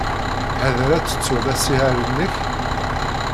Ḥader ad tettud asihaṛ-nnek?